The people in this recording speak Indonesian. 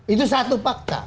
itu satu fakta